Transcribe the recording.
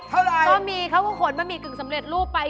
เท่าไหร่ก็มีเขาก็ขนบะหมี่กึ่งสำเร็จรูปไป